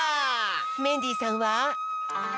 メンディーさんは？